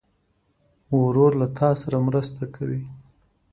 ورور له تا سره مرسته کوي.